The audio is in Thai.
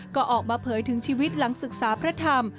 ก็ออกมาเผยถึงชีวิตหลังศึกษาพระธรรม